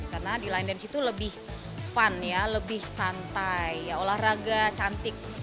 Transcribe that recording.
karena di line dance itu lebih fun ya lebih santai olahraga cantik